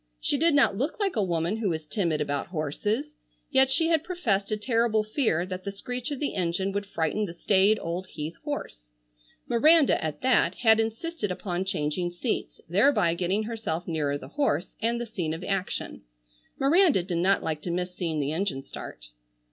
She did not look like a woman who was timid about horses, yet she had professed a terrible fear that the screech of the engine would frighten the staid old Heath horse. Miranda, at that, had insisted upon changing seats, thereby getting herself nearer the horse, and the scene of action. Miranda did not like to miss seeing the engine start.